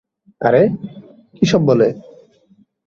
আরে, কী সব বলে?